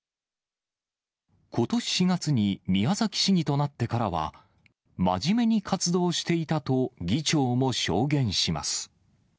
ことし４月に宮崎市議となってからは、真面目に活動していたと議長も証言します。